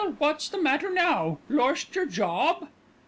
What's the matter now? Lorst your job?"